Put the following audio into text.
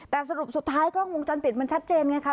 แต่สรุปสุดท้ายกล้องวงจรปิดมันชัดเจนไงคะ